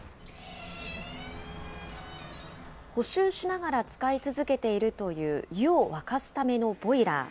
補修しながら使い続けているという、湯を沸かすためのボイラー。